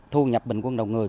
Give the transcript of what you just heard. thu nhập bình quân đầu người